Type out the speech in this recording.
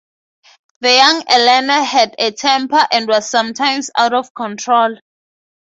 The young Elena had a temper and was sometimes out of control.